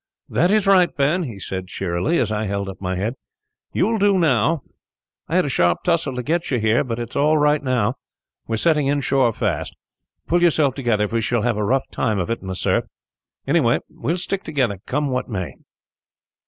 "'That is right, Ben,' he said cheerily, as I held up my head; 'you will do now. I had a sharp tussle to get you here, but it is all right. We are setting inshore fast. Pull yourself together, for we shall have a rough time of it in the surf. Anyhow, we will stick together, come what may.'